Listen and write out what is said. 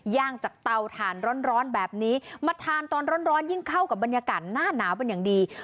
ย่างจากเตาถ่านร้อนแบบนี้มาทานตอนร้อนยิ่งเข้ากับบรรยากาศหน้าหนาวเป็นอย่างดี